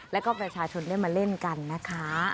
แล้วก็ประชาชนได้มาเล่นกันนะคะ